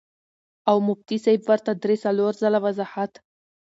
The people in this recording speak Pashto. او مفتي صېب ورته درې څلور ځله وضاحت